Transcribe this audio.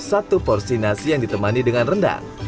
satu porsi nasi yang ditemani dengan rendang